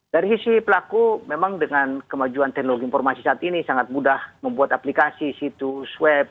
dari sisi pelaku memang dengan kemajuan teknologi informasi saat ini sangat mudah membuat aplikasi situs web